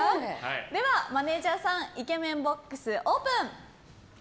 では、マネジャーさんイケメンボックスオープン！